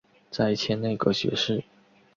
再迁内阁学士。